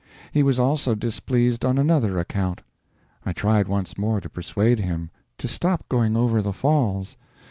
He was also displeased on another account: I tried once more to persuade him to stop going over the Falls.